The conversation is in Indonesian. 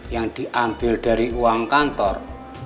yang diambil dari uang kantor